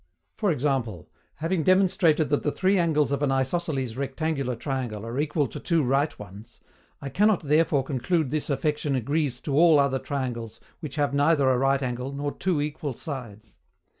For example, having demonstrated that the three angles of an isosceles rectangular triangle are equal to two right ones, I cannot therefore conclude this affection agrees to all other triangles which have neither a right angle nor two equal sides.